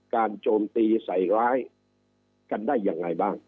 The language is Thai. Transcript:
โจมตีใส่ร้ายกันได้ยังไงบ้าง